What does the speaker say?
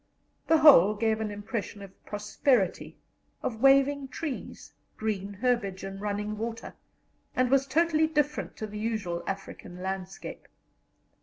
The whole gave an impression of prosperity, of waving trees, green herbage, and running water, and was totally different to the usual African landscape.